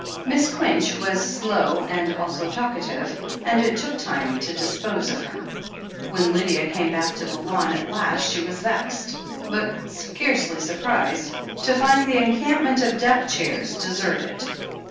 Miss Quinch was slow and also talkative, and it took time to dispose of her. When Lydia came back to the lawn at last she was vexed, but scarcely surprised, to find the encampment of deck chairs deserted.